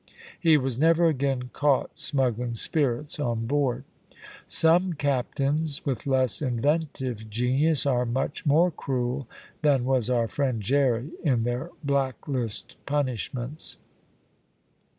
He was never again caught smuggling spirits on board. Some captains with less inventive genius are much more cruel than was our friend Jerry in their black list punishments."